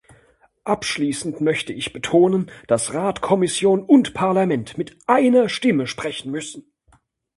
Abschließend möchte ich betonen, dass Rat, Kommission und Parlament mit einer Stimme sprechen müssen.